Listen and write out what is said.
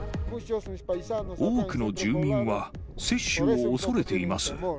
多くの住民は接種をおそれています。